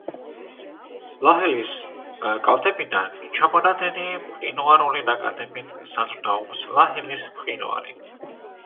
ლაჰილის კალთებიდან ჩამონადენი მყინვარული ნაკადებით საზრდოობს ლაჰილის მყინვარი.